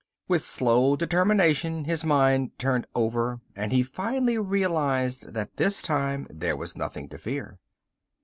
With slow determination his mind turned over and he finally realized that this time there was nothing to fear.